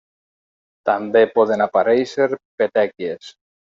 També poden aparèixer petèquies.